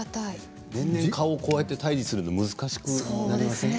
年々、蚊を退治するのが難しくなってきますよね